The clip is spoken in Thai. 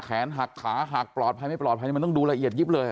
หักขาหักปลอดภัยไม่ปลอดภัยมันต้องดูละเอียดยิบเลย